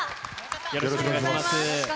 よろしくお願いします。